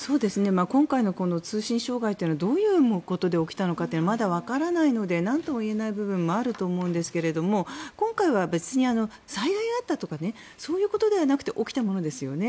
今回のこの通信障害というのはどういうことで起きたというのがまだわからないのでなんとも言えない部分もあると思うんですが今回は別に災害があったとかそういうことではなくて起きたものですよね。